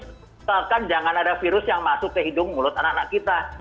misalkan jangan ada virus yang masuk ke hidung mulut anak anak kita